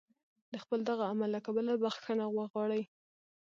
د خپل دغه عمل له کبله بخښنه وغواړي.